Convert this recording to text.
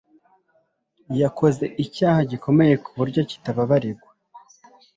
Yakoze icyaha gikomeye kuburyo kitababarigwa.